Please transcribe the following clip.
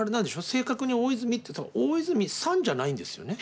正確に大泉って「大泉さん」じゃないんですよね？